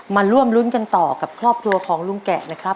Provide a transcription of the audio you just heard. มาร่วมรุ้นกันต่อกับครอบครัวของลุงแกะนะครับ